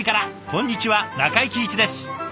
こんにちは中井貴一です。